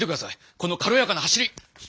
このかろやかな走り！